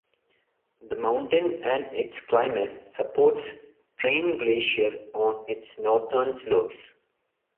The mountain and its climate supports Train Glacier on its northern slopes.